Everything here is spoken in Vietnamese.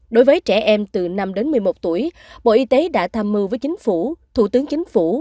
đối với trẻ em từ năm đến một mươi một tuổi bộ y tế đã tham mưu với chính phủ thủ tướng chính phủ